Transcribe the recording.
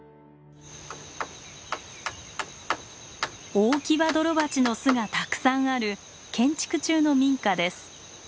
オオキバドロバチの巣がたくさんある建築中の民家です。